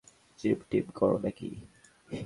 Gym-team করো নাকি?